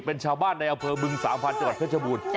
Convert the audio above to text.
เป็นชาวบ้านในอำเภอบึงสามพันธ์จังหวัดเพชรบูรณ์